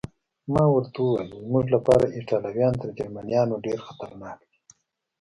ما ورته وویل: زموږ لپاره ایټالویان تر جرمنیانو ډېر خطرناک دي.